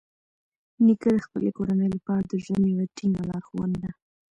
نیکه د خپلې کورنۍ لپاره د ژوند یوه ټینګه لارښونه ده.